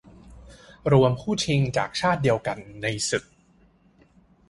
รวมคู่ชิงจากชาติเดียวกันในศึก